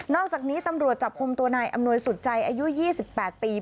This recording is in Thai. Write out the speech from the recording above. อกจากนี้ตำรวจจับกลุ่มตัวนายอำนวยสุดใจอายุ๒๘ปี